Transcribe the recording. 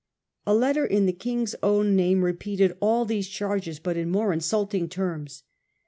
A letter in the king's own name repeated all these charges, but in more insulting terms.